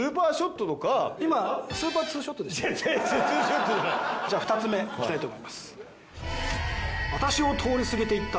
今じゃあ２つ目いきたいと思います。